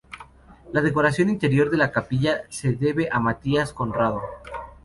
La decoración interior de la capilla se debe a Matías Conrado.